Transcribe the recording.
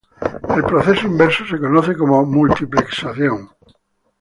El proceso inverso se conoce como multiplexación.